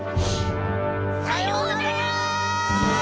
さようなら！